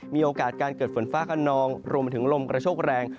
มีโอกาสการเกิดฝนฟ้าขนองรวมไปถึงลมกระโชคแรง